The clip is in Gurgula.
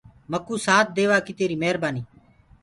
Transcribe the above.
مڪو سآٿ ديوآ ڪي تيري مهربآني